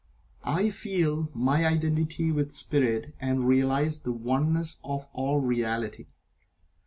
"I" feel my identity with Spirit and realize the Oneness of All Reality.